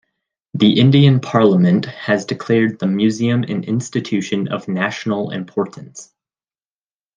The Indian Parliament has declared the museum an Institution of National Importance.